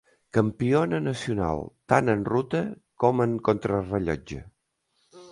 Campiona nacional tant en ruta com en contrarellotge.